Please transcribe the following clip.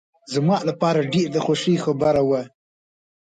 زما لپاره ډېر د خوښۍ خبره وه.